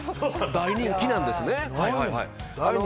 大人気なんですね。